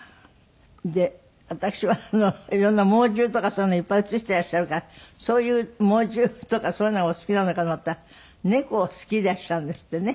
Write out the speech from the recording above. で私は色んな猛獣とかそういうのいっぱい写していらっしゃるからそういう猛獣とかそういうのがお好きなのかなと思ったら猫を好きでいらっしゃるんですってね。